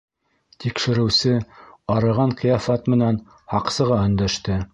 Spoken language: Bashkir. Тикшереүсе арыған ҡиәфәт менән һаҡсыға өндәште: